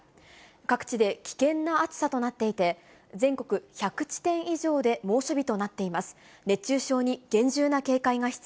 各地で危険な暑さとなっていて、全国１００地点以上で猛暑日となっています。